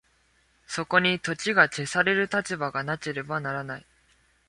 そこに時が消される立場がなければならない。